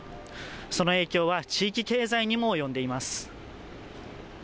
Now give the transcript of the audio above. その影響は地域経済にも及んでいます。